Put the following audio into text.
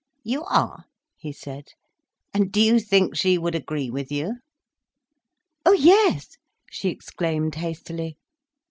"You are?" he said. "And do you think she would agree with you?" "Oh yes!" she exclaimed hastily.